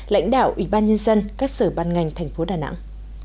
lãnh đạo ủy ban nhân dân các sở ban ngành thành phố đà nẵng